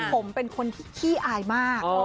ผมเป็นคนที่ขี้อายมาก